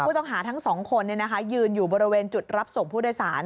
ต้องหาทั้ง๒คนยืนอยู่บริเวณจุดรับส่งผู้โดยสาร